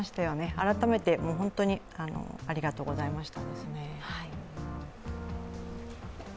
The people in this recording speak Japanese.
改めて本当にありがとうございました。